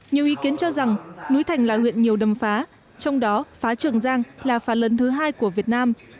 nhiều ý kiến cho rằng núi thành là huyện nhiều đầm phá trong đó phá trường giang là phá lớn thứ hai của việt nam